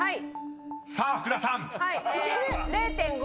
［さあ福田さん］